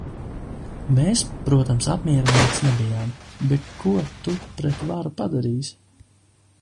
Mēs, protams, apmierinātas nebijām, bet ko tu pret varu padarīsi?